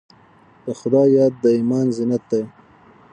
د خدای یاد د ایمان زینت دی.